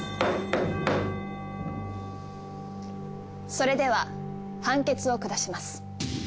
それでは判決を下します。